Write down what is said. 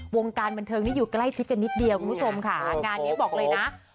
วงการบันเทิงนี่อยู่ใกล้ชิดกันนิดเดียวคุณผู้ชมค่ะงานนี้บอกเลยนะ